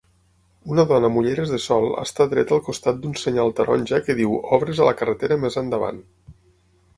Una dona amb ulleres de sol està dreta al costat d'un senyal taronja que diu "Obres a la carretera més endavant".